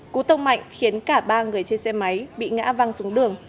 cú tông mạnh khiến cả ba người trên xe máy bị ngã văng xuống đường